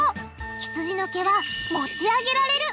ひつじの毛は持ち上げられる。